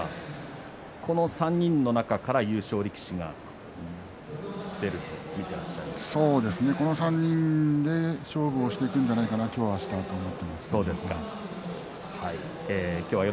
この３人の中から優勝力士は出るとこの３人で勝負をしていくんじゃないかな今日、あしたと思っています。